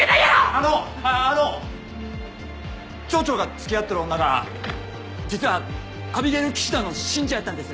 あのあの町長が付き合っとる女が実はアビゲイル騎士団の信者やったんです。